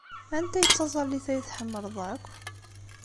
Anta ay d taẓallit ay tḥemmleḍ akk?